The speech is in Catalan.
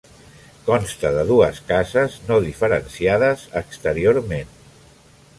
Consta de dues cases, no diferenciades exteriorment.